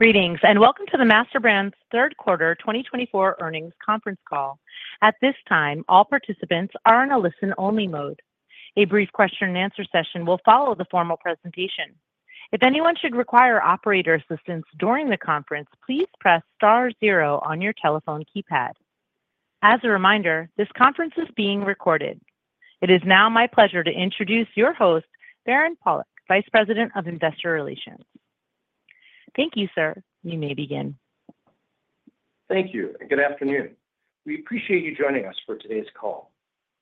Greetings, and welcome to the MasterBrand's Q3 2024 earnings conference call. At this time, all participants are in a listen-only mode. A brief Q&A session will follow the formal presentation. If anyone should require operator assistance during the conference, please press star zero on your telephone keypad. As a reminder, this conference is being recorded. It is now my pleasure to introduce your host, Farand Pawlak, Vice President of Investor Relations. Thank you, sir. You may begin. Thank you, and good afternoon. We appreciate you joining us for today's call.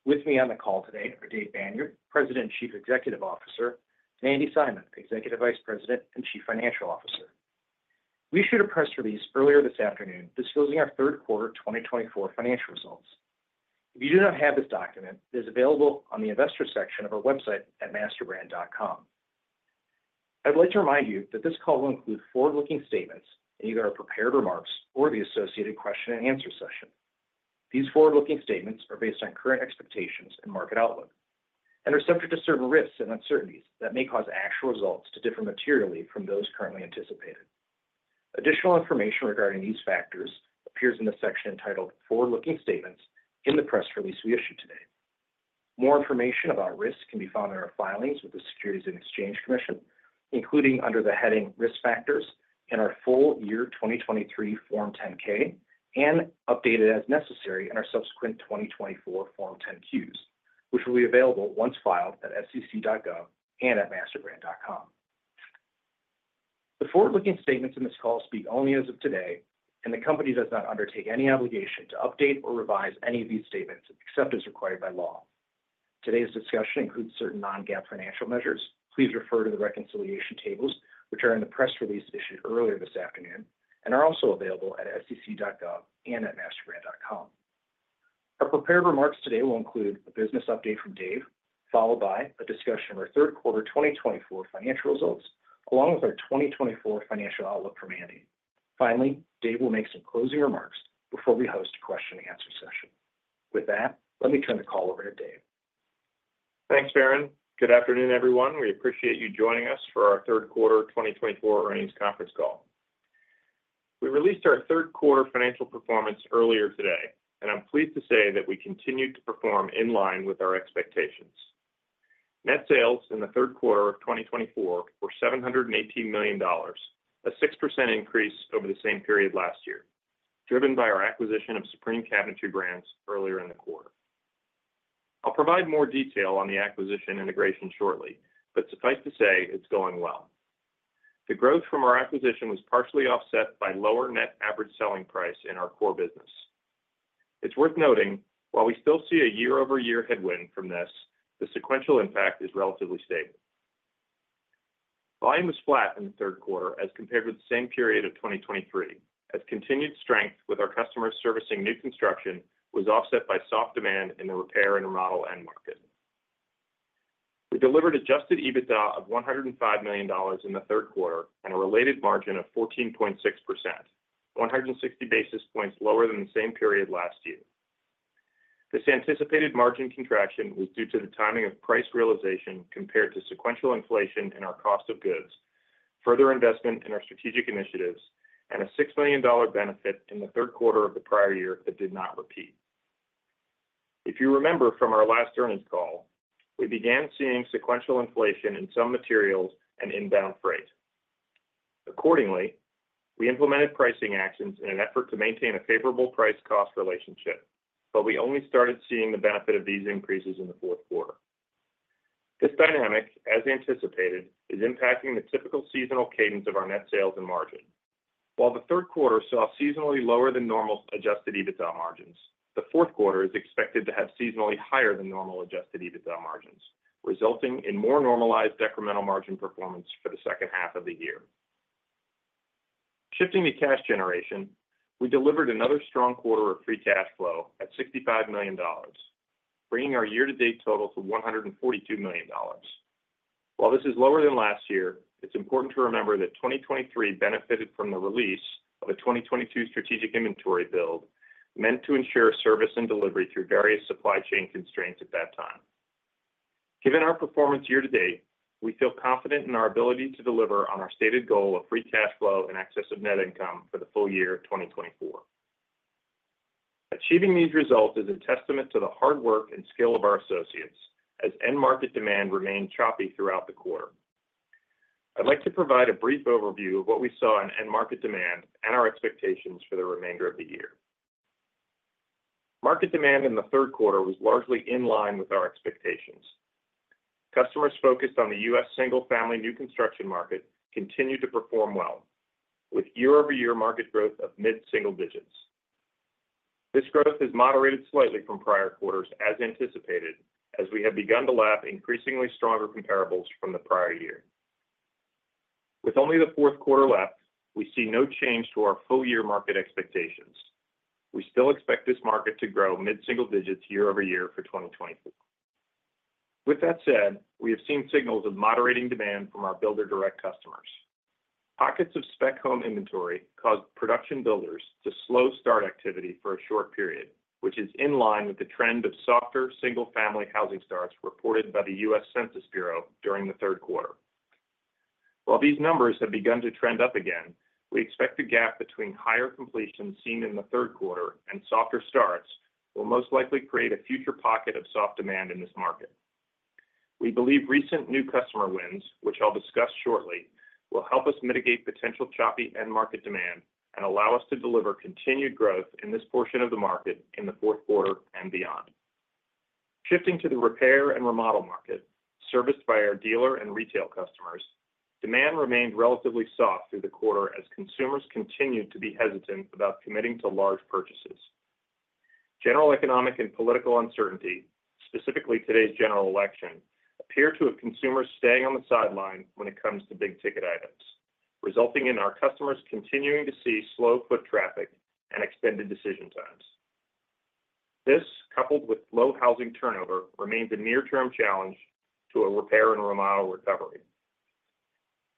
With me on the call today are Dave Banyard, President and Chief Executive Officer, and Andi Simon, Executive Vice President and Chief Financial Officer. We issued a press release earlier this afternoon disclosing our Q3 2024 financial results. If you do not have this document, it is available on the investor section of our website at masterbrand.com. I'd like to remind you that this call will include forward-looking statements in either our prepared remarks or the associated Q&A. These forward-looking statements are based on current expectations and market outlook and are subject to certain risks and uncertainties that may cause actual results to differ materially from those currently anticipated. Additional information regarding these factors appears in the section entitled Forward-Looking Statements in the press release we issued today. More information about risk can be found in our filings with the Securities and Exchange Commission, including under the heading Risk Factors in our full year 2023 Form 10-K and updated as necessary in our subsequent 2024 Form 10-Qs, which will be available once filed at sec.gov and at masterbrand.com. The forward-looking statements in this call speak only as of today, and the company does not undertake any obligation to update or revise any of these statements except as required by law. Today's discussion includes certain non-GAAP financial measures. Please refer to the reconciliation tables, which are in the press release issued earlier this afternoon and are also available at sec.gov and at masterbrand.com. Our prepared remarks today will include a business update from Dave, followed by a discussion of our Q3 2024 financial results, along with our 2024 financial outlook from Andi. Finally, Dave will make some closing remarks before we host a Q&A session. With that, let me turn the call over to Dave. Thanks, Barron. Good afternoon, everyone. We appreciate you joining us for our Q3 2024 earnings conference call. We released our Q3 financial performance earlier today, and I'm pleased to say that we continued to perform in line with our expectations. Net sales in the Q3 of 2024 were $718 million, a 6% increase over the same period last year, driven by our acquisition of Supreme Cabinetry Brands earlier in the quarter. I'll provide more detail on the acquisition integration shortly, but suffice to say it's going well. The growth from our acquisition was partially offset by lower net average selling price in our core business. It's worth noting, while we still see a year-over-year headwind from this, the sequential impact is relatively stable. Volume was flat in the Q3 as compared with the same period of 2023, as continued strength with our customers servicing new construction was offset by soft demand in the repair and remodel end market. We delivered adjusted EBITDA of $105 million in the Q3 and a related margin of 14.6%, 160 basis points lower than the same period last year. This anticipated margin contraction was due to the timing of price realization compared to sequential inflation in our cost of goods, further investment in our strategic initiatives, and a $6 million benefit in the Q3 of the prior year that did not repeat. If you remember from our last earnings call, we began seeing sequential inflation in some materials and inbound freight. Accordingly, we implemented pricing actions in an effort to maintain a favorable price-cost relationship, but we only started seeing the benefit of these increases in the Q4. This dynamic, as anticipated, is impacting the typical seasonal cadence of our net sales and margin. While the Q3 saw seasonally lower than normal adjusted EBITDA margins, the Q4 is expected to have seasonally higher than normal adjusted EBITDA margins, resulting in more normalized decremental margin performance for the H2 of the year. Shifting to cash generation, we delivered another strong quarter of free cash flow at $65 million, bringing our year-to-date total to $142 million. While this is lower than last year, it's important to remember that 2023 benefited from the release of a 2022 strategic inventory build meant to ensure service and delivery through various supply chain constraints at that time. Given our performance year-to-date, we feel confident in our ability to deliver on our stated goal of free cash flow and excessive net income for the full year 2024. Achieving these results is a testament to the hard work and skill of our associates, as end market demand remained choppy throughout the quarter. I'd like to provide a brief overview of what we saw in end market demand and our expectations for the remainder of the year. Market demand in the Q3 was largely in line with our expectations. Customers focused on the U.S. single-family new construction market continued to perform well, with year-over-year market growth of mid-single digits. This growth has moderated slightly from prior quarters, as anticipated, as we have begun to lap increasingly stronger comparables from the prior year. With only the Q4 left, we see no change to our full-year market expectations. We still expect this market to grow mid-single digits year-over-year for 2024. With that said, we have seen signals of moderating demand from our builder-direct customers. Pockets of spec home inventory caused production builders to slow start activity for a short period, which is in line with the trend of softer single-family housing starts reported by the U.S. Census Bureau during the Q3. While these numbers have begun to trend up again, we expect the gap between higher completions seen in the Q3 and softer starts will most likely create a future pocket of soft demand in this market. We believe recent new customer wins, which I'll discuss shortly, will help us mitigate potential choppy end market demand and allow us to deliver continued growth in this portion of the market in the Q4 and beyond. Shifting to the repair and remodel market, serviced by our dealer and retail customers, demand remained relatively soft through the quarter as consumers continued to be hesitant about committing to large purchases. General economic and political uncertainty, specifically today's general election, appeared to have consumers staying on the sidelines when it comes to big-ticket items, resulting in our customers continuing to see slow foot traffic and extended decision times. This, coupled with low housing turnover, remains a near-term challenge to a repair and remodel recovery.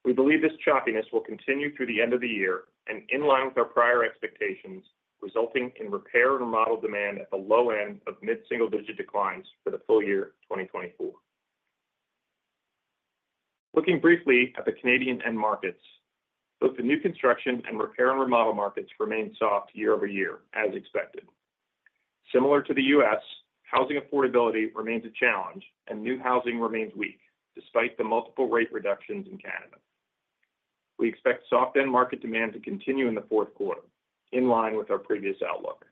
We believe this choppiness will continue through the end of the year and in line with our prior expectations, resulting in repair and remodel demand at the low end of mid-single digit declines for the full year 2024. Looking briefly at the Canadian end markets, both the new construction and repair and remodel markets remain soft year-over-year, as expected. Similar to the U.S., housing affordability remains a challenge, and new housing remains weak despite the multiple rate reductions in Canada. We expect soft end market demand to continue in the Q4, in line with our previous outlook.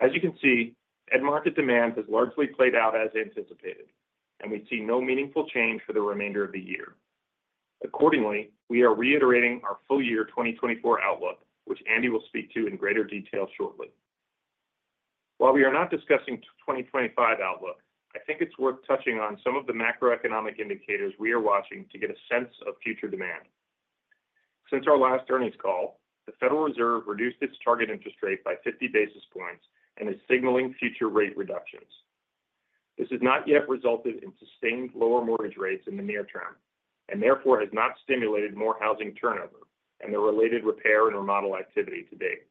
As you can see, end market demand has largely played out as anticipated, and we see no meaningful change for the remainder of the year. Accordingly, we are reiterating our full-year 2024 outlook, which Andi will speak to in greater detail shortly. While we are not discussing 2025 outlook, I think it's worth touching on some of the macroeconomic indicators we are watching to get a sense of future demand. Since our last earnings call, the Federal Reserve reduced its target interest rate by 50 basis points and is signaling future rate reductions. This has not yet resulted in sustained lower mortgage rates in the near term and therefore has not stimulated more housing turnover and the related repair and remodel activity to date.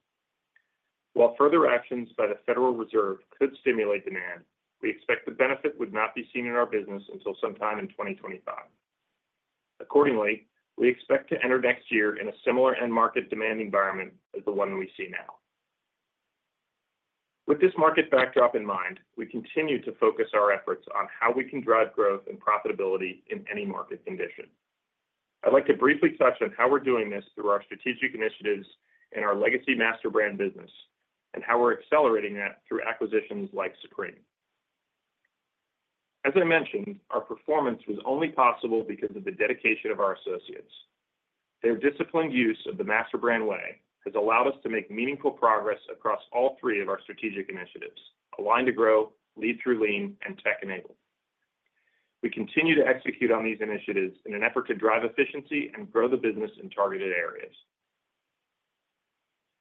While further actions by the Federal Reserve could stimulate demand, we expect the benefit would not be seen in our business until sometime in 2025. Accordingly, we expect to enter next year in a similar end market demand environment as the one we see now. With this market backdrop in mind, we continue to focus our efforts on how we can drive growth and profitability in any market condition. I'd like to briefly touch on how we're doing this through our strategic initiatives in our legacy MasterBrand business and how we're accelerating that through acquisitions like Supreme. As I mentioned, our performance was only possible because of the dedication of our associates. Their disciplined use of the MasterBrand Way has allowed us to make meaningful progress across all three of our strategic initiatives: Aligned to Grow, Lead Through Lean, and Tech-Enabled. We continue to execute on these initiatives in an effort to drive efficiency and grow the business in targeted areas.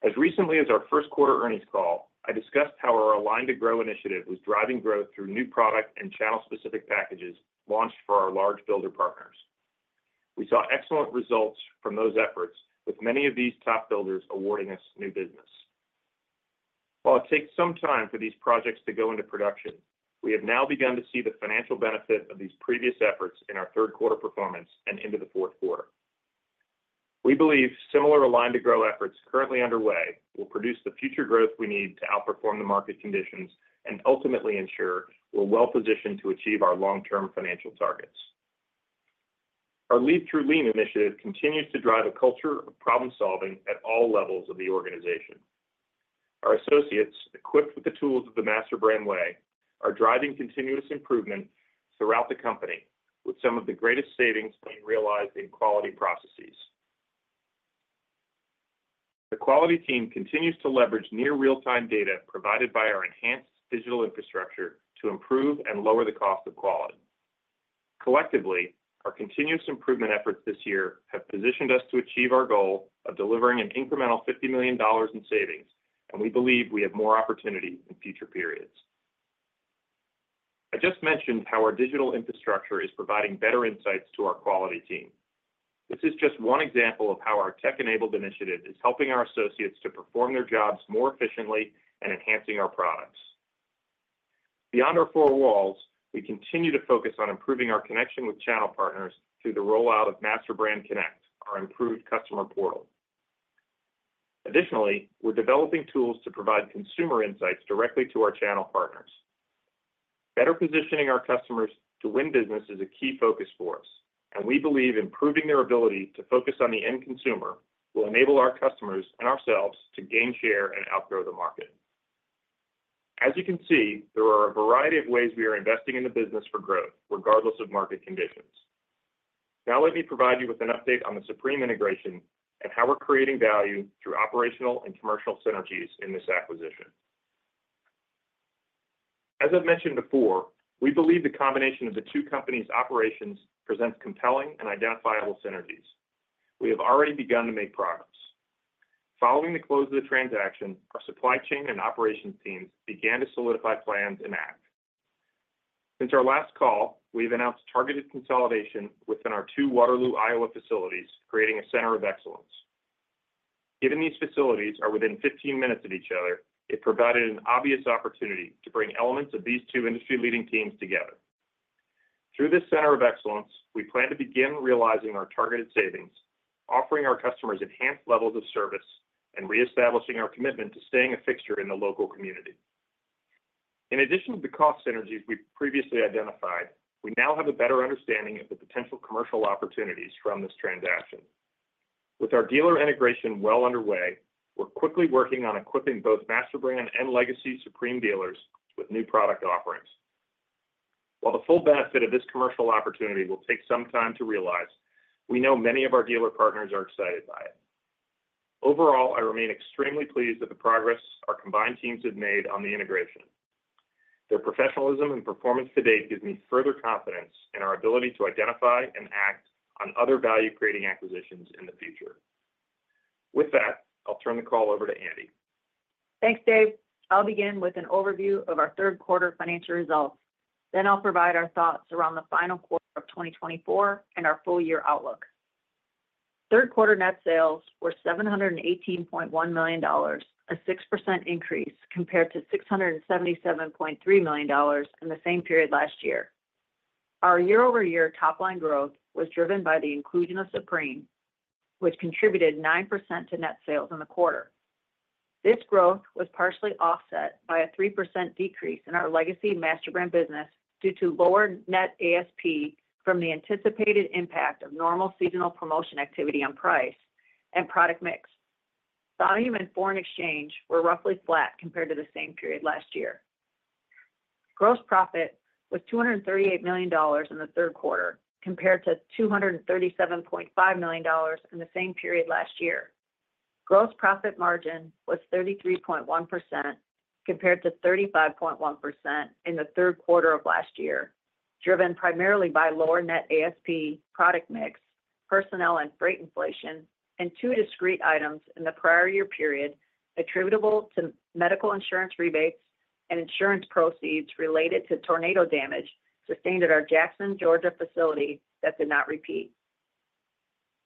As recently as our Q1 earnings call, I discussed how our Aligned to Grow initiative was driving growth through new product and channel-specific packages launched for our large builder partners. We saw excellent results from those efforts, with many of these top builders awarding us new business. While it takes some time for these projects to go into production, we have now begun to see the financial benefit of these previous efforts in our Q3 performance and into the Q4. We believe similar Aligned to Grow efforts currently underway will produce the future growth we need to outperform the market conditions and ultimately ensure we're well-positioned to achieve our long-term financial targets. Our Lead Through Lean initiative continues to drive a culture of problem-solving at all levels of the organization. Our associates, equipped with the tools of the MasterBrand Way, are driving continuous improvement throughout the company, with some of the greatest savings being realized in quality processes. The quality team continues to leverage near-real-time data provided by our enhanced digital infrastructure to improve and lower the cost of quality. Collectively, our continuous improvement efforts this year have positioned us to achieve our goal of delivering an incremental $50 million in savings, and we believe we have more opportunity in future periods. I just mentioned how our digital infrastructure is providing better insights to our quality team. This is just one example of how our Tech-Enabled initiative is helping our associates to perform their jobs more efficiently and enhancing our products. Beyond our four walls, we continue to focus on improving our connection with channel partners through the rollout of MasterBrand Connect, our improved customer portal. Additionally, we're developing tools to provide consumer insights directly to our channel partners. Better positioning our customers to win business is a key focus for us, and we believe improving their ability to focus on the end consumer will enable our customers and ourselves to gain share and outgrow the market. As you can see, there are a variety of ways we are investing in the business for growth, regardless of market conditions. Now, let me provide you with an update on the Supreme integration and how we're creating value through operational and commercial synergies in this acquisition. As I've mentioned before, we believe the combination of the two companies' operations presents compelling and identifiable synergies. We have already begun to make progress. Following the close of the transaction, our supply chain and operations teams began to solidify plans and act. Since our last call, we've announced targeted consolidation within our two Waterloo, Iowa, facilities, creating a center of excellence. Given these facilities are within 15 minutes of each other, it provided an obvious opportunity to bring elements of these two industry-leading teams together. Through this center of excellence, we plan to begin realizing our targeted savings, offering our customers enhanced levels of service, and reestablishing our commitment to staying a fixture in the local community. In addition to the cost synergies we previously identified, we now have a better understanding of the potential commercial opportunities from this transaction. With our dealer integration well underway, we're quickly working on equipping both MasterBrand and legacy Supreme dealers with new product offerings. While the full benefit of this commercial opportunity will take some time to realize, we know many of our dealer partners are excited by it. Overall, I remain extremely pleased with the progress our combined teams have made on the integration. Their professionalism and performance to date gives me further confidence in our ability to identify and act on other value-creating acquisitions in the future. With that, I'll turn the call over to Andi. Thanks, Dave. I'll begin with an overview of our Q3 financial results. Then I'll provide our thoughts around the final quarter of 2024 and our full-year outlook. Q3 net sales were $718.1 million, a 6% increase compared to $677.3 million in the same period last year. Our year-over-year top-line growth was driven by the inclusion of Supreme, which contributed 9% to net sales in the quarter. This growth was partially offset by a 3% decrease in our legacy MasterBrand business due to lower net ASP from the anticipated impact of normal seasonal promotion activity on price and product mix. Volume and foreign exchange were roughly flat compared to the same period last year. Gross profit was $238 million in the Q3 compared to $237.5 million in the same period last year. Gross profit margin was 33.1% compared to 35.1% in the Q3 of last year, driven primarily by lower net ASP, product mix, personnel and freight inflation, and two discrete items in the prior year period attributable to medical insurance rebates and insurance proceeds related to tornado damage sustained at our Jackson, Georgia, facility that did not repeat.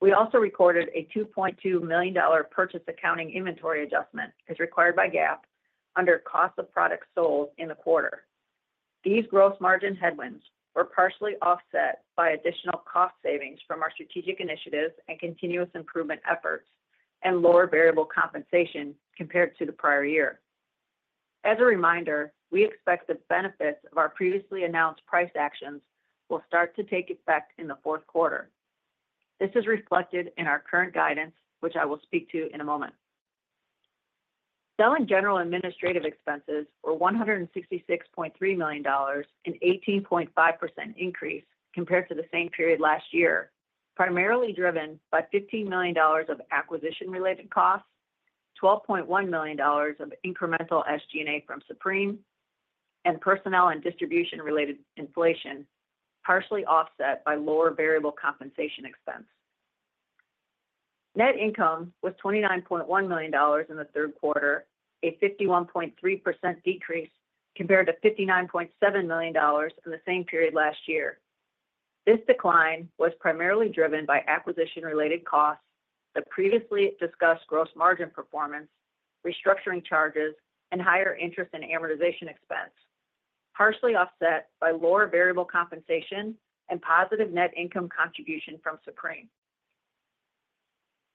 We also recorded a $2.2 million purchase accounting inventory adjustment as required by GAAP under cost of product sold in the quarter. These gross margin headwinds were partially offset by additional cost savings from our strategic initiatives and continuous improvement efforts and lower variable compensation compared to the prior year. As a reminder, we expect the benefits of our previously announced price actions will start to take effect in the Q4. This is reflected in our current guidance, which I will speak to in a moment. Selling general administrative expenses were $166.3 million in an 18.5% increase compared to the same period last year, primarily driven by $15 million of acquisition-related costs, $12.1 million of incremental SG&A from Supreme, and personnel and distribution-related inflation, partially offset by lower variable compensation expense. Net income was $29.1 million in the Q3, a 51.3% decrease compared to $59.7 million in the same period last year. This decline was primarily driven by acquisition-related costs, the previously discussed gross margin performance, restructuring charges, and higher interest and amortization expense, partially offset by lower variable compensation and positive net income contribution from Supreme.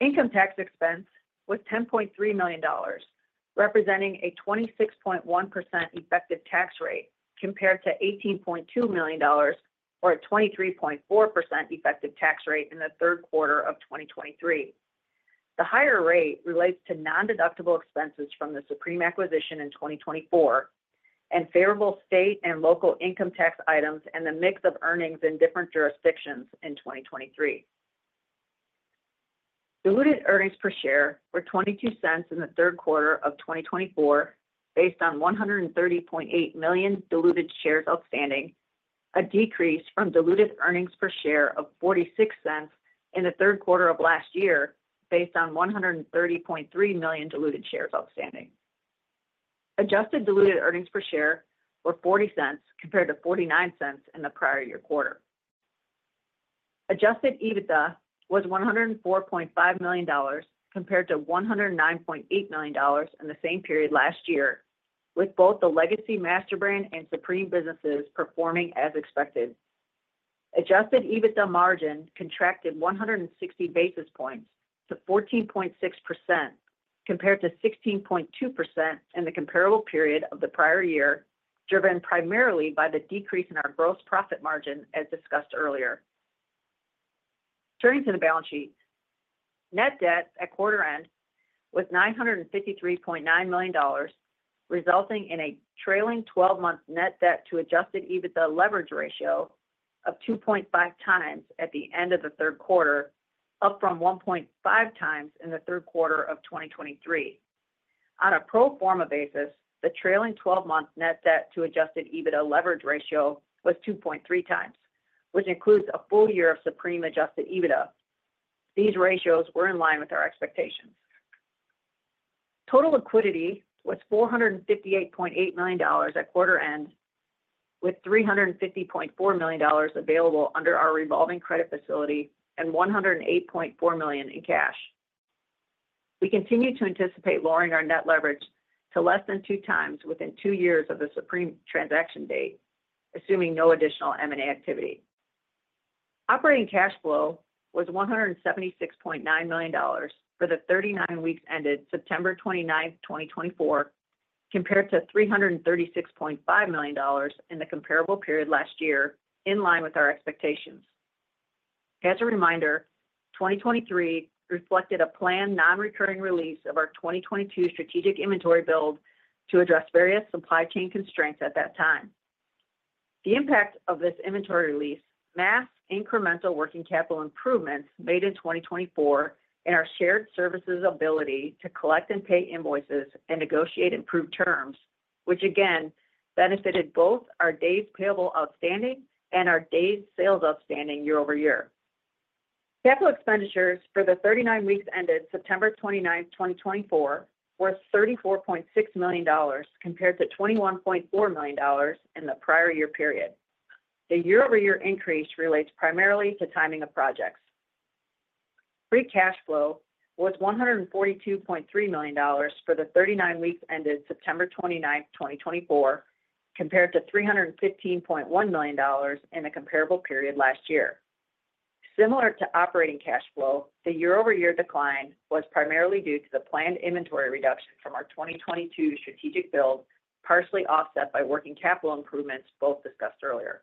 Income tax expense was $10.3 million, representing a 26.1% effective tax rate compared to $18.2 million or a 23.4% effective tax rate in the Q3 of 2023. The higher rate relates to non-deductible expenses from the Supreme acquisition in 2024 and favorable state and local income tax items and the mix of earnings in different jurisdictions in 2023. Diluted earnings per share were $0.22 in the Q3 of 2024 based on 130.8 million diluted shares outstanding, a decrease from diluted earnings per share of $0.46 in the Q3 of last year based on 130.3 million diluted shares outstanding. Adjusted diluted earnings per share were $0.40 compared to $0.49 in the prior year quarter. Adjusted EBITDA was $104.5 million compared to $109.8 million in the same period last year, with both the legacy MasterBrand and Supreme businesses performing as expected. Adjusted EBITDA margin contracted 160 basis points to 14.6% compared to 16.2% in the comparable period of the prior year, driven primarily by the decrease in our gross profit margin as discussed earlier. Turning to the balance sheet, net debt at quarter end was $953.9 million, resulting in a trailing 12-month net debt to Adjusted EBITDA leverage ratio of 2.5 times at the end of the Q3, up from 1.5 times in the Q3 of 2023. On a pro forma basis, the trailing 12-month net debt to Adjusted EBITDA leverage ratio was 2.3 times, which includes a full year of Supreme Adjusted EBITDA. These ratios were in line with our expectations. Total liquidity was $458.8 million at quarter end, with $350.4 million available under our revolving credit facility and $108.4 million in cash. We continue to anticipate lowering our net leverage to less than two times within two years of the Supreme transaction date, assuming no additional M&A activity. Operating cash flow was $176.9 million for the 39 weeks ended September 29, 2024, compared to $336.5 million in the comparable period last year, in line with our expectations. As a reminder, 2023 reflected a planned non-recurring release of our 2022 strategic inventory build to address various supply chain constraints at that time. The impact of this inventory release masked incremental working capital improvements made in 2024 in our shared services ability to collect and pay invoices and negotiate improved terms, which again benefited both our days payable outstanding and our days sales outstanding year over year. Capital expenditures for the 39 weeks ended September 29, 2024, were $34.6 million compared to $21.4 million in the prior year period. The year-over-year increase relates primarily to timing of projects. Free cash flow was $142.3 million for the 39 weeks ended September 29, 2024, compared to $315.1 million in the comparable period last year. Similar to operating cash flow, the year-over-year decline was primarily due to the planned inventory reduction from our 2022 strategic build, partially offset by working capital improvements both discussed earlier.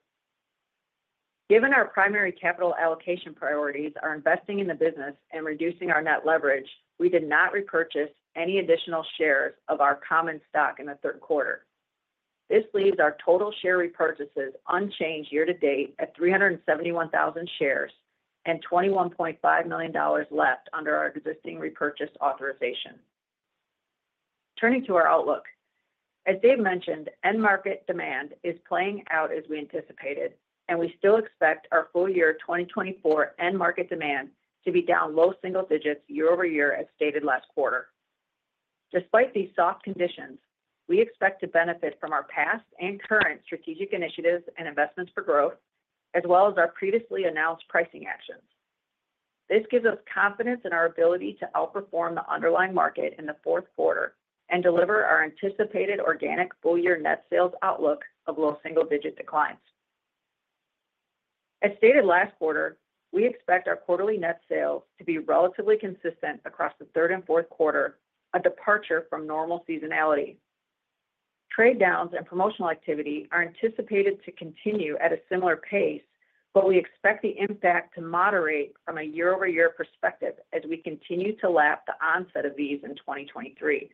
Given our primary capital allocation priorities are investing in the business and reducing our net leverage, we did not repurchase any additional shares of our common stock in the Q3. This leaves our total share repurchases unchanged year to date at 371,000 shares and $21.5 million left under our existing repurchase authorization. Turning to our outlook, as Dave mentioned, end market demand is playing out as we anticipated, and we still expect our full-year 2024 end market demand to be down low single digits year over year as stated last quarter. Despite these soft conditions, we expect to benefit from our past and current strategic initiatives and investments for growth, as well as our previously announced pricing actions. This gives us confidence in our ability to outperform the underlying market in the Q4 and deliver our anticipated organic full-year net sales outlook of low single-digit declines. As stated last quarter, we expect our quarterly net sales to be relatively consistent across the Q3 and Q4, a departure from normal seasonality. Trade downs and promotional activity are anticipated to continue at a similar pace, but we expect the impact to moderate from a year-over-year perspective as we continue to lap the onset of these in 2023.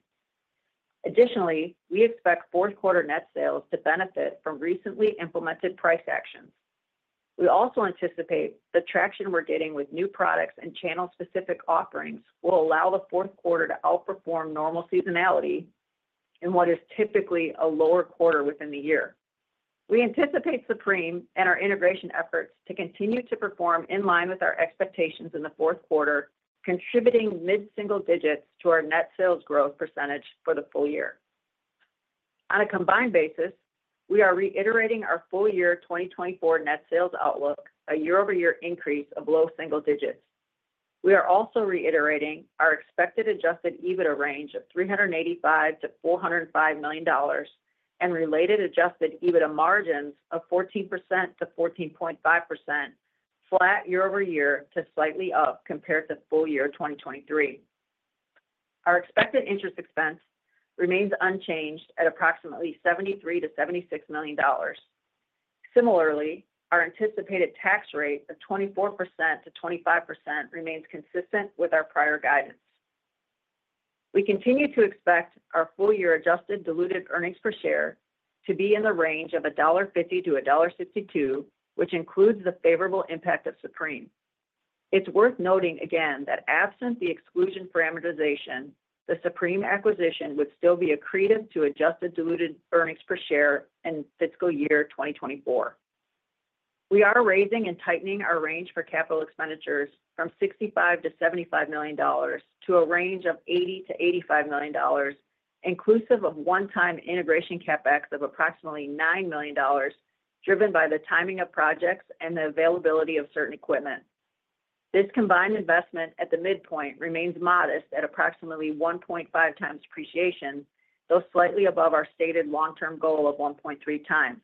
Additionally, we expect Q4 net sales to benefit from recently implemented price actions. We also anticipate the traction we're getting with new products and channel-specific offerings will allow the Q4 to outperform normal seasonality in what is typically a lower quarter within the year. We anticipate Supreme and our integration efforts to continue to perform in line with our expectations in the Q4, contributing mid-single digits to our net sales growth percentage for the full year. On a combined basis, we are reiterating our full-year 2024 net sales outlook, a year-over-year increase of low single digits. We are also reiterating our expected Adjusted EBITDA range of $385-$405 million and related Adjusted EBITDA margins of 14%-14.5%, flat year-over-year to slightly up compared to full-year 2023. Our expected interest expense remains unchanged at approximately $73-$76 million. Similarly, our anticipated tax rate of 24%-25% remains consistent with our prior guidance. We continue to expect our full-year adjusted diluted earnings per share to be in the range of $1.50-$1.62, which includes the favorable impact of Supreme. It's worth noting again that absent the exclusion parameterization, the Supreme acquisition would still be accretive to adjusted diluted earnings per share in FY 2024. We are raising and tightening our range for capital expenditures from $65-$75 million to a range of $80-$85 million, inclusive of one-time integration CapEx of approximately $9 million, driven by the timing of projects and the availability of certain equipment. This combined investment at the midpoint remains modest at approximately 1.5 times depreciation, though slightly above our stated long-term goal of 1.3 times.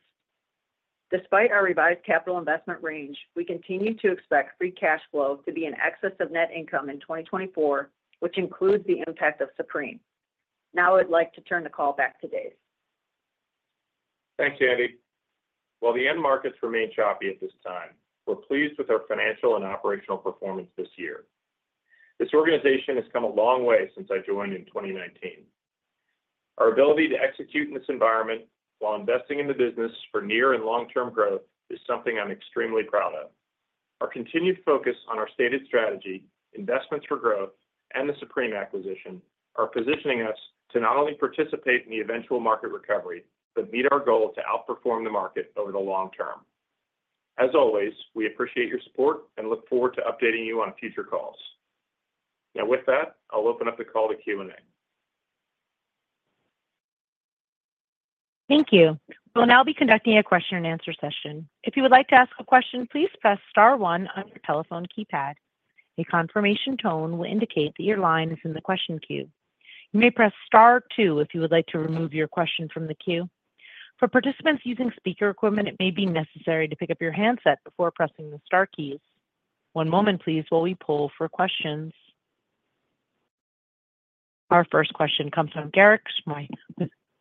Despite our revised capital investment range, we continue to expect free cash flow to be in excess of net income in 2024, which includes the impact of Supreme. Now I'd like to turn the call back to Dave. Thanks, Andi. While the end markets remain choppy at this time, we're pleased with our financial and operational performance this year. This organization has come a long way since I joined in 2019. Our ability to execute in this environment while investing in the business for near and long-term growth is something I'm extremely proud of. Our continued focus on our stated strategy, investments for growth, and the Supreme acquisition are positioning us to not only participate in the eventual market recovery but meet our goal to outperform the market over the long term. As always, we appreciate your support and look forward to updating you on future calls. Now, with that, I'll open up the call to Q&A. Thank you. We'll now be conducting a Q&A session. If you would like to ask a question, please press Star one on your telephone keypad. A confirmation tone will indicate that your line is in the question queue. You may press Star two if you would like to remove your question from the queue. For participants using speaker equipment, it may be necessary to pick up your handset before pressing the Star keys. One moment, please, while we pull for questions. Our first question comes from Garik,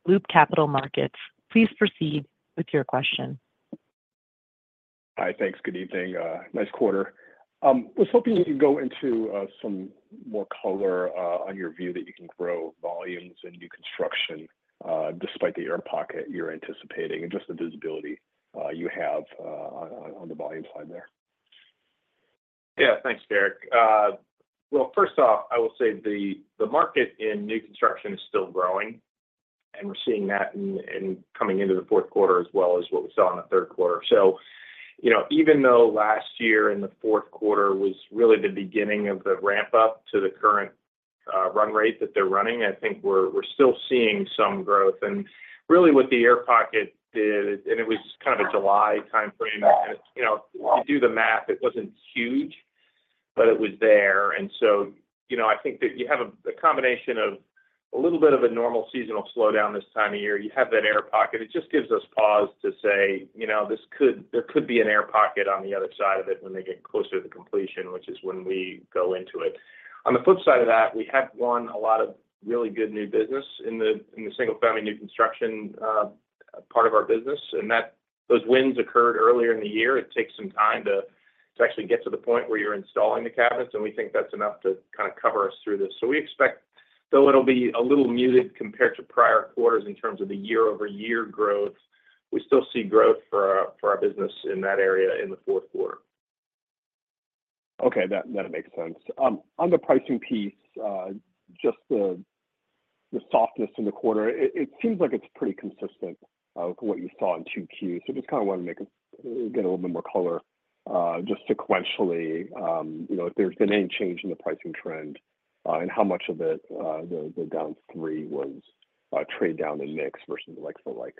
Loop Capital Markets. Please proceed with your question. Hi, thanks. Good evening. Nice quarter. I was hoping we could go into some more color on your view that you can grow volumes and new construction despite the air pocket you're anticipating and just the visibility you have on the volume side there. Thanks, Garik. Well, first off, I will say the market in new construction is still growing, and we're seeing that coming into the Q4 as well as what we saw in the Q3. So even though last year in the Q4 was really the beginning of the ramp-up to the current run rate that they're running, I think we're still seeing some growth. And really, what the air pocket did, and it was kind of a July timeframe, and if you do the math, it wasn't huge, but it was there. And so I think that you have a combination of a little bit of a normal seasonal slowdown this time of year. You have that air pocket. It just gives us pause to say there could be an air pocket on the other side of it when they get closer to completion, which is when we go into it. On the flip side of that, we have won a lot of really good new business in the single-family new construction part of our business, and those wins occurred earlier in the year. It takes some time to actually get to the point where you're installing the cabinets, and we think that's enough to kind of cover us through this, so we expect though it'll be a little muted compared to prior quarters in terms of the year-over-year growth, we still see growth for our business in that area in the Q4. Okay, that makes sense. On the pricing piece, just the softness in the quarter, it seems like it's pretty consistent with what you saw in Q2. So I just kind of wanted to get a little bit more color just sequentially if there's been any change in the pricing trend and how much of it the down 3% was trade down in mix versus the likes of the like.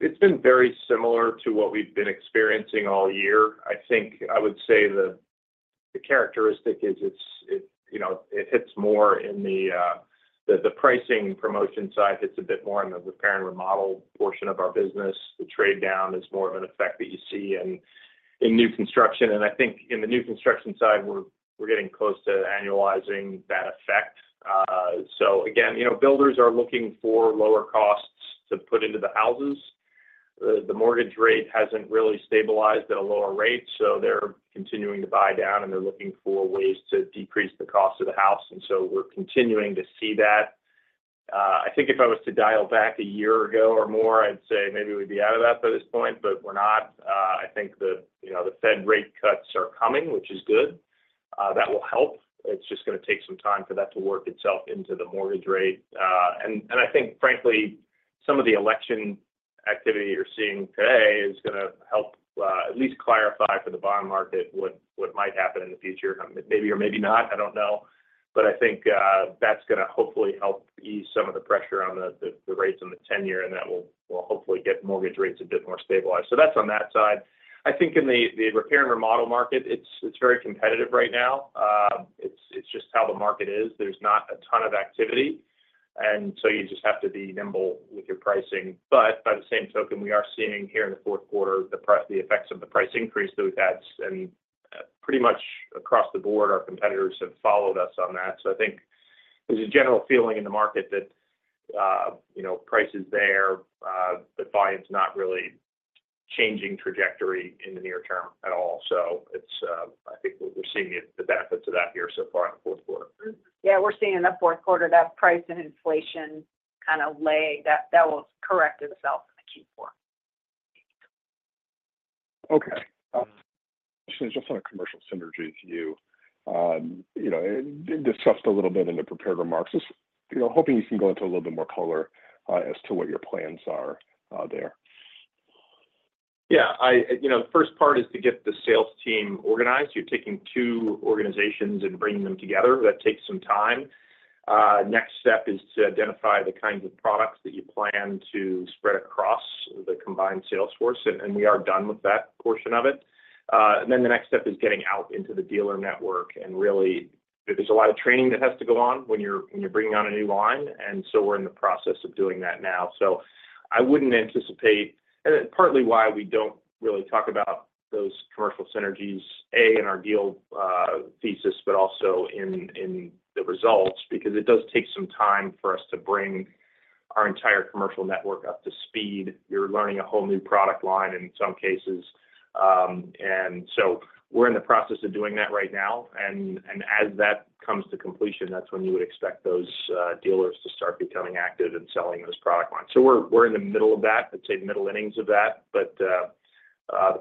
It's been very similar to what we've been experiencing all year. I think I would say the characteristic is it hits more in the pricing and promotion side, hits a bit more on the repair and remodel portion of our business. The trade down is more of an effect that you see in new construction. And I think in the new construction side, we're getting close to annualizing that effect. So again, builders are looking for lower costs to put into the houses. The mortgage rate hasn't really stabilized at a lower rate, so they're continuing to buy down, and they're looking for ways to decrease the cost of the house, and so we're continuing to see that. I think if I was to dial back a year ago or more, I'd say maybe we'd be out of that by this point, but we're not. I think the Fed rate cuts are coming, which is good. That will help. It's just going to take some time for that to work itself into the mortgage rate, and I think, frankly, some of the election activity you're seeing today is going to help at least clarify for the bond market what might happen in the future, maybe or maybe not. I don't know. But I think that's going to hopefully help ease some of the pressure on the rates on the 10-year, and that will hopefully get mortgage rates a bit more stabilized. So that's on that side. I think in the repair and remodel market, it's very competitive right now. It's just how the market is. There's not a ton of activity, and so you just have to be nimble with your pricing. But by the same token, we are seeing here in the Q4 the effects of the price increase that we've had. And pretty much across the board, our competitors have followed us on that. So I think there's a general feeling in the market that price is there, but volume's not really changing trajectory in the near term at all. So I think we're seeing the benefits of that here so far in the Q4. We're seeing in the Q4 that price and inflation kind of lag. That will correct itself in the Q4. Okay. Just on a commercial synergy view, you discussed a little bit in the prepared remarks. Just hoping you can go into a little bit more color as to what your plans are there. The first part is to get the sales team organized. You're taking two organizations and bringing them together. That takes some time. Next step is to identify the kinds of products that you plan to spread across the combined sales force, and we are done with that portion of it. And then the next step is getting out into the dealer network. And really, there's a lot of training that has to go on when you're bringing on a new line. And so we're in the process of doing that now. So I wouldn't anticipate, and partly why we don't really talk about those commercial synergies, A, in our deal thesis, but also in the results, because it does take some time for us to bring our entire commercial network up to speed. You're learning a whole new product line in some cases. And so we're in the process of doing that right now. And as that comes to completion, that's when you would expect those dealers to start becoming active and selling those product lines. So we're in the middle of that, I'd say middle innings of that. But the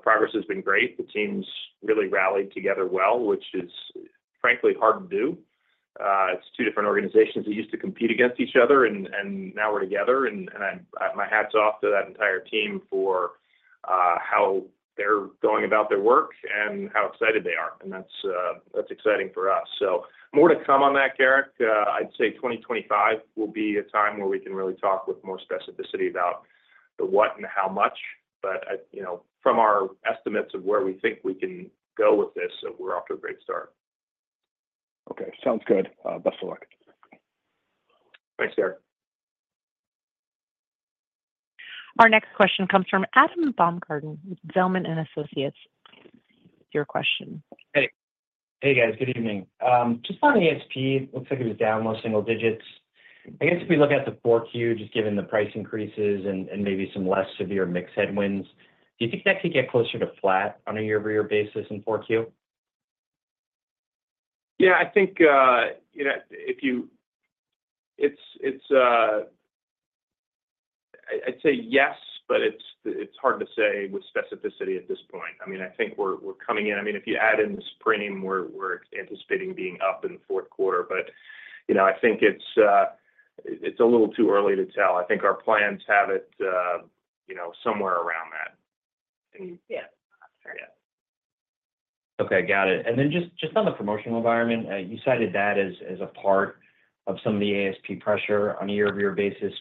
progress has been great. The teams really rallied together well, which is frankly hard to do. It's two different organizations that used to compete against each other, and now we're together. My hat's off to that entire team for how they're going about their work and how excited they are. That's exciting for us. More to come on that, Garik. I'd say 2025 will be a time where we can really talk with more specificity about the what and how much. From our estimates of where we think we can go with this, we're off to a great start. Okay, sounds good. Best of luck. Thanks, Garik. Our next question comes from Adam Baumgarten with Zelman & Associates. Your question. Hey, guys. Good evening. Just on ASP, it looks like it was down one single digit. I guess if we look at the Q4, just given the price increases and maybe some less severe mixed headwinds, do you think that could get closer to flat on a year-over-year basis in Q4? I think I'd say yes, but it's hard to say with specificity at this point. I mean, I think we're coming in. I mean, if you add in the Supreme, we're anticipating being up in the Q4. But I think it's a little too early to tell. I think our plans have it somewhere around that. Okay, got it. And then just on the promotional environment, you cited that as a part of some of the ASP pressure on a year-over-year basis.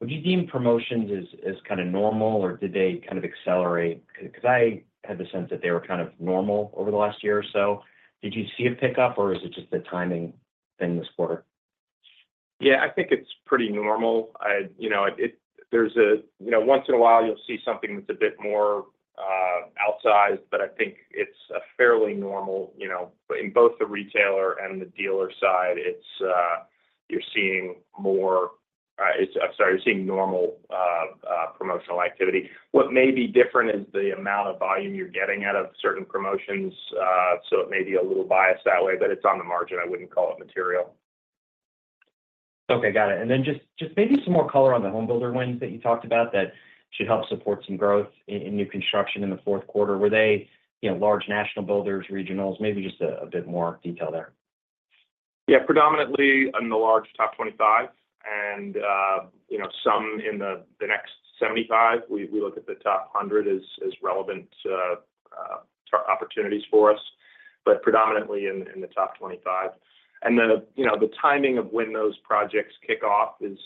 Would you deem promotions as kind of normal, or did they kind of accelerate? Because I had the sense that they were kind of normal over the last year or so. Did you see a pickup, or is it just a timing thing this quarter? I think it's pretty normal. Once in a while, you'll see something that's a bit more outsized, but I think it's fairly normal, but in both the retailer and the dealer side, you're seeing more. I'm sorry, you're seeing normal promotional activity. What may be different is the amount of volume you're getting out of certain promotions, so it may be a little biased that way, but it's on the margin. I wouldn't call it material. Okay, got it, and then just maybe some more color on the home builder wins that you talked about that should help support some growth in new construction in the Q4. Were they large national builders, regionals? Maybe just a bit more detail there. Predominantly in the large top 25 and some in the next 75. We look at the top 100 as relevant opportunities for us, but predominantly in the top 25. And the timing of when those projects kick off is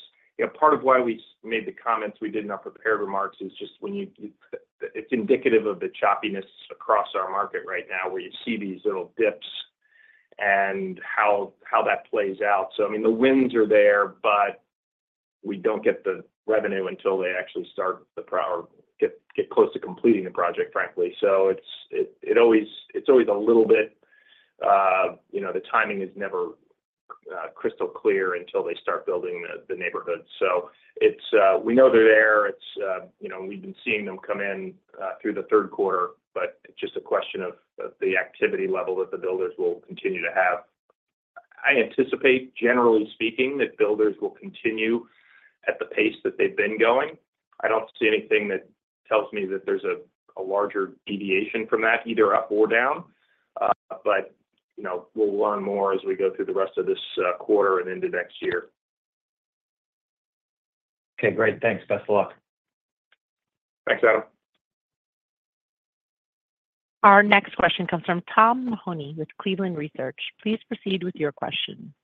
part of why we made the comments we did in our prepared remarks. It's just when you, it's indicative of the choppiness across our market right now where you see these little dips and how that plays out. So I mean, the wins are there, but we don't get the revenue until they actually start or get close to completing the project, frankly. So it's always a little bit, the timing is never crystal clear until they start building the neighborhood. So we know they're there. We've been seeing them come in through the Q3, but it's just a question of the activity level that the builders will continue to have. I anticipate, generally speaking, that builders will continue at the pace that they've been going. I don't see anything that tells me that there's a larger deviation from that, either up or down. But we'll learn more as we go through the rest of this quarter and into next year. Okay, great. Thanks. Best of luck. Thanks, Adam. Our next question comes from Tom Mahoney with Cleveland Research. Please proceed with your question.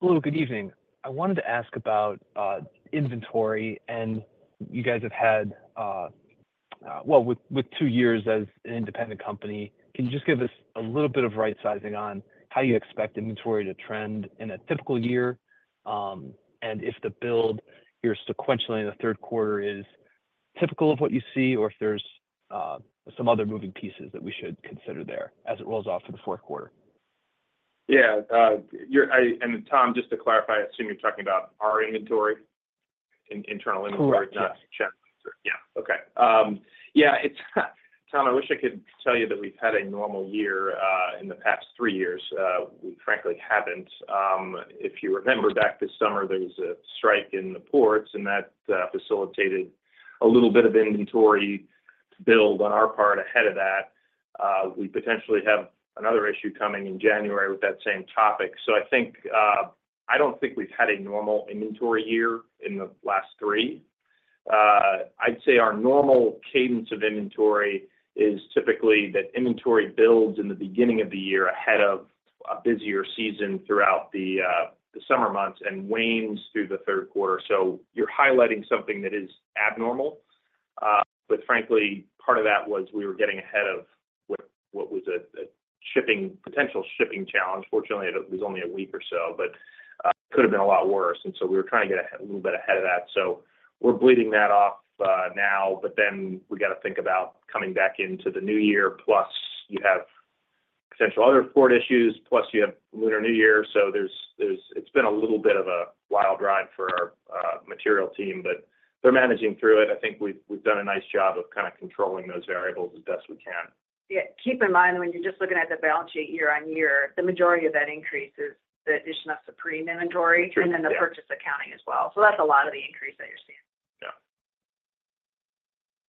Hello, good evening. I wanted to ask about inventory, and you guys have had, well, with two years as an independent company, can you just give us a little bit of right-sizing on how you expect inventory to trend in a typical year? And if the build you're sequentially in the Q3 is typical of what you see, or if there's some other moving pieces that we should consider there as it rolls off to the Q4? Tom, just to clarify, I assume you're talking about our inventory, internal inventory, not general. Okay. Tom, I wish I could tell you that we've had a normal year in the past three years. We frankly haven't. If you remember back this summer, there was a strike in the ports, and that facilitated a little bit of inventory build on our part ahead of that. We potentially have another issue coming in January with that same topic. So I don't think we've had a normal inventory year in the last three. I'd say our normal cadence of inventory is typically that inventory builds in the beginning of the year ahead of a busier season throughout the summer months and wanes through the Q3. So you're highlighting something that is abnormal. But frankly, part of that was we were getting ahead of what was a potential shipping challenge. Fortunately, it was only a week or so, but it could have been a lot worse. And so we were trying to get a little bit ahead of that. So we're bleeding that off now, but then we got to think about coming back into the new year. Plus, you have potential other port issues. Plus, you have Lunar New Year. So it's been a little bit of a wild ride for our material team, but they're managing through it. I think we've done a nice job of kind of controlling those variables as best we can. Keep in mind, when you're just looking at the balance sheet year on year, the majority of that increase is the addition of Supreme inventory and then the purchase accounting as well. So that's a lot of the increase that you're seeing.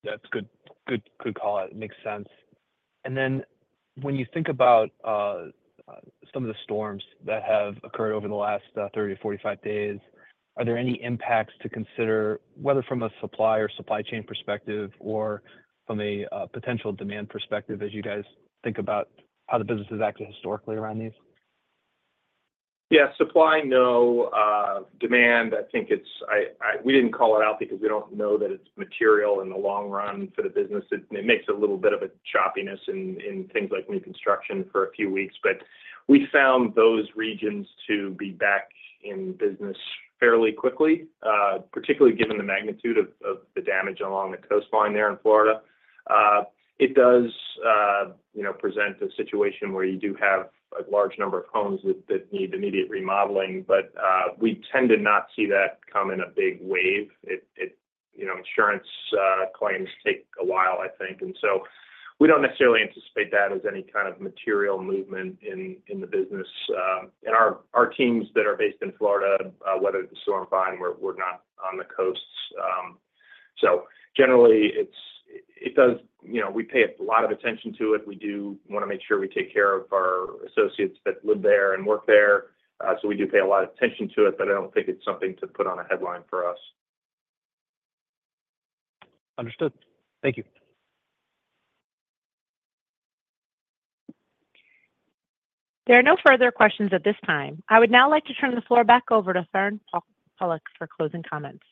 That's a good call. It makes sense. And then when you think about some of the storms that have occurred over the last 30-45 days, are there any impacts to consider, whether from a supply or supply chain perspective or from a potential demand perspective, as you guys think about how the business has acted historically around these? Supply, no. Demand, I think we didn't call it out because we don't know that it's material in the long run for the business. It makes a little bit of a choppiness in things like new construction for a few weeks. But we found those regions to be back in business fairly quickly, particularly given the magnitude of the damage along the coastline there in Florida. It does present a situation where you do have a large number of homes that need immediate remodeling, but we tend to not see that come in a big wave. Insurance claims take a while, I think, and so we don't necessarily anticipate that as any kind of material movement in the business, and our teams that are based in Florida, whether it's the storm front, we're not on the coasts. So generally, it does, we pay a lot of attention to it. We do want to make sure we take care of our associates that live there and work there. So we do pay a lot of attention to it, but I don't think it's something to put on a headline for us. Understood. Thank you. There are no further questions at this time. I would now like to turn the floor back over to Farand Pawlak for closing comments.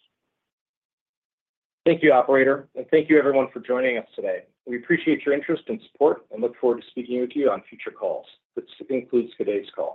Thank you, Operator, and thank you, everyone, for joining us today. We appreciate your interest and support and look forward to speaking with you on future calls. This concludes today's call.